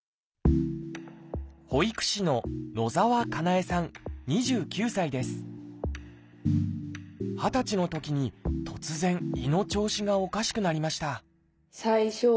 保育士の二十歳のときに突然胃の調子がおかしくなりました